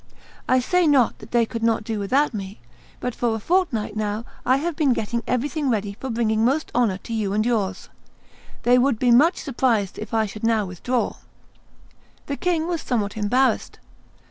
I say not that they could not do without me; but for a fortnight now I have been getting everything ready for bringing most honor to you and yours. They would be much surprised if I should now withdraw." The king was somewhat embarrassed.